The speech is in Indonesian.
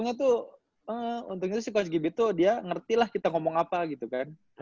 ya untungnya tuh si coach givi tuh dia ngerti lah kita ngomong apa gitu kan